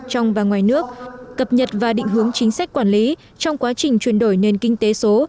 trong và ngoài nước cập nhật và định hướng chính sách quản lý trong quá trình chuyển đổi nền kinh tế số